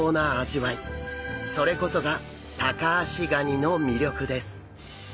それこそがタカアシガニの魅力です。